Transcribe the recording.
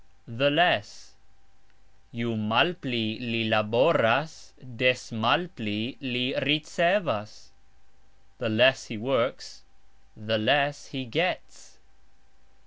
the less: "Ju malpli li laboras, des malpli li ricevas", The less he works, the less he gets.